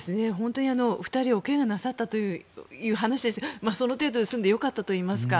２人、おけがなさったという話でしたがその程度で済んで良かったといいますか。